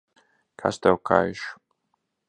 Kas tev kaiš?